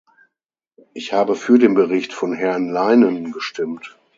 Ich habe für den Bericht von Herrn Leinen gestimmt.